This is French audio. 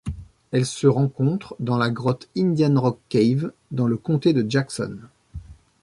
Elle se rencontre dans la grotte Indian Rock Cave dans le comté de Jackson.